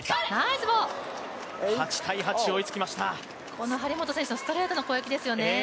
この張本選手のストレートの攻撃ですよね。